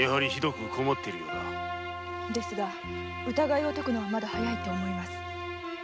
疑いを解くのはまだ早いと思います。